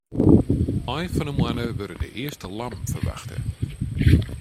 Ein fan 'e moanne wurde de earste lammen ferwachte.